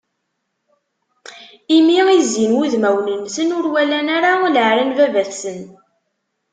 Imi i zzin wudmawen-nsen, ur walan ara leɛra n baba-tsen.